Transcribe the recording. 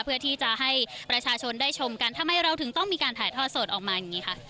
เพื่อที่จะให้ประชาชนได้ชมกันทำไมเราถึงต้องมีการถ่ายทอดสดออกมาอย่างนี้คะ